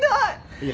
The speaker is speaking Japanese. いや。